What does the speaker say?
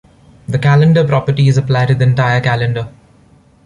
The calendar properties apply to the entire calendar.